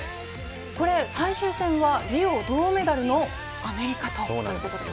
これ最終戦は、リオ銅メダルのアメリカ、ということですね。